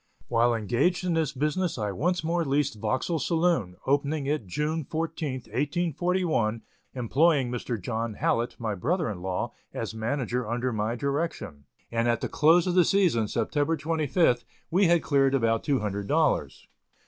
While engaged in this business I once more leased Vauxhall saloon, opening it June 14th, 1841, employing Mr. John Hallett, my brother in law, as manager under my direction, and at the close of the season, September 25th, we had cleared about two hundred dollars.